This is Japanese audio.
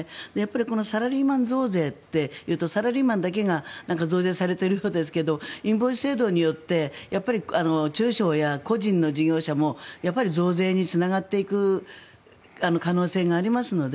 このサラリーマン増税っていうとサラリーマンだけが増税されているようですがインボイス制度によって中小や個人の事業者も増税につながっていく可能性がありますので。